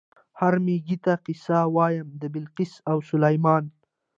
"هر مېږي ته قصه وایم د بلقیس او سلیمان".